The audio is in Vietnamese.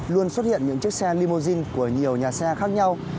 luôn xuất hiện những chiếc xe limousine của nhiều nhà xe khác nhau